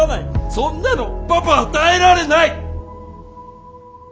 そんなのパパは耐えられない！！